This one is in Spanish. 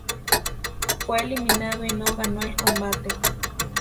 Fue eliminado y no ganó el combate.